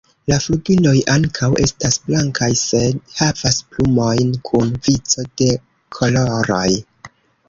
La flugiloj ankaŭ estas blankaj, sed havas plumojn kun vico de koloroj.